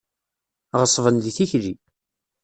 Ɣeṣben di tikli.